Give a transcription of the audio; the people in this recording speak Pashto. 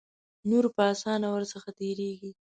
نور په آسانه ور څخه تیریږي.